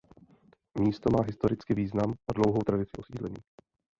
Místo má historicky význam a dlouhou tradici osídlení.